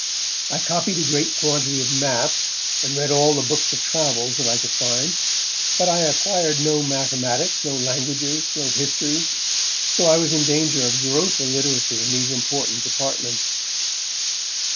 I copied a great quantity of maps, and read all the books of travels that I could find. But I acquired no mathematics, no languages, no history, so that I was in danger of gross illiteracy in these important departments.